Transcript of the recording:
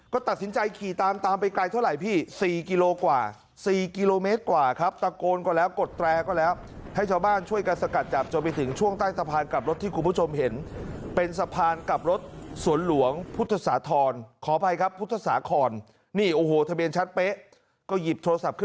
ก็ตัดสินใจขี่ตามตามไปไกลเท่าไหร่พี่๔กิโลกว่า๔กิโลเมตรกว่าครับตะโกนก็แล้วกดแตรก็แล้วให้ชาวบ้านช่วยกันสกัดจับจนไปถึงช่วงใต้สะพานกลับรถที่คุณผู้ชมเห็นเป็นสะพานกับรถสวนหลวงพุทธสาธรณ์ขออภัยครับพุทธศาครนี่โอ้โหทะเบียนชัดเป๊ะก็หยิบโทรศัพท์ขึ้น